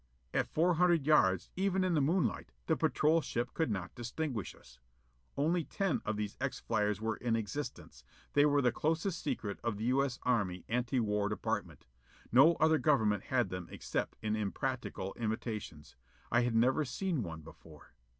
At four hundred yards, even in the moonlight, the patrol could not distinguish us. Only ten of these X flyers were in existence: they were the closest secret of the U. S. Anti War Department. No other government had them except in impractical imitations. I had never even seen one before.